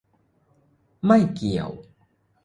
ไม่เกี่ยว